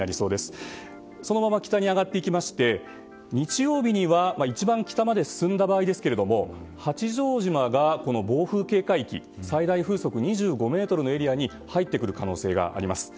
そのまま北に上がっていきまして日曜日には一番北まで進んだ場合ですけども八丈島が暴風警戒域最大風速２５メートルのエリアに入ってくる可能性があります。